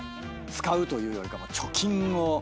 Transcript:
使うというよりか貯金を。